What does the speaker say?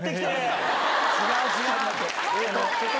違う、違う。